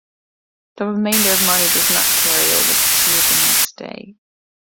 The remainder money does not carry over to the next day.